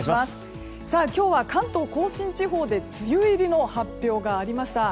今日は関東・甲信地方で梅雨入りの発表がありました。